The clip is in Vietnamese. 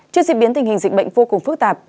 trước diễn biến tình hình dịch bệnh vô cùng phức tạp